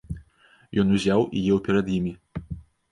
Ён узяў і еў перад імі.